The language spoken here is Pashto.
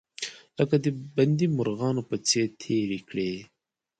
لکه د بندي مرغانو په څیر تیرې کړې.